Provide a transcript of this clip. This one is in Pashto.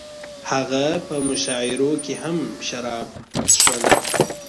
هغه په مشاعرو کې هم شراب څښل